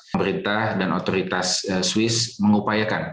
pemerintah dan otoritas swiss mengupayakan